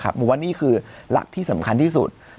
ผมว่านี่คือหลักที่สำคัญที่สุด